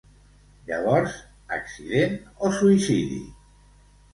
Llavors, accident o suïcidi?